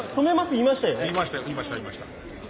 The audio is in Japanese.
言いました言いました。